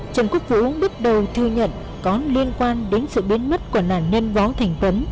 trần quốc vũ bước đầu thừa nhận có liên quan đến sự biến mất của nạn nhân võ thành tuấn